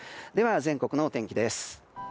全国のお天気です。